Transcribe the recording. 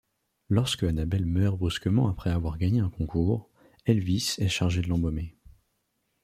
Lorsque Anabelle meurt brusquement après avoir gagné un concours, Elvis est chargé de l'embaumer.